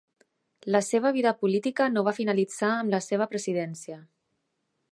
La seva vida política no va finalitzar amb la seva presidència.